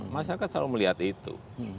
masyarakat selalu melihat itu